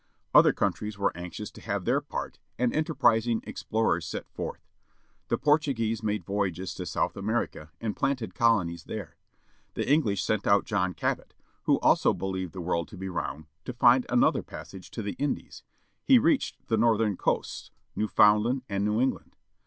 Other countries were anxious to have their part, and enterprising explorers set forth. The Portuguese made voyages to South America, and planted colonies there. The English sent out John Cabot, who also believed the world to be round, to find another passage to the Indies; he reached the northern coasts, Newfoundland and New England.